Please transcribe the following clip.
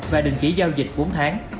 và đình chỉ giao dịch bốn tháng